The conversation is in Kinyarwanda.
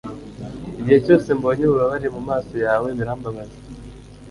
igihe cyose mbonye ububabare mumaso yawe birambabaza